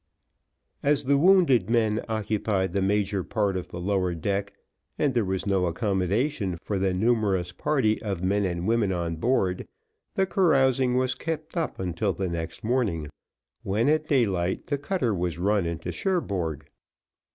As the wounded men occupied the major part of the lower deck, and there was no accommodation for the numerous party of men and women on board, the carousing was kept up until the next morning, when, at daylight, the cutter was run into Cherbourg.